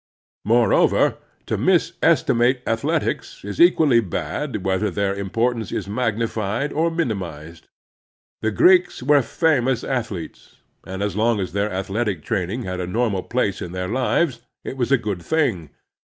Moreover, to mis estimate athletics is equally bad whether their importance is magni The American Boy tsi fied or minimized. The Greeks were tamous ath letes, and as long as their athletic training had a normal place in their lives, it was a good thing.